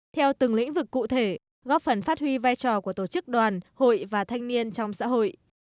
theo từng lĩnh vực cụ thể góp phần phát huy vai trò của tổ chức đoàn hội và thanh niên trong xã hội